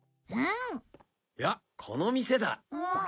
おやこの店だ。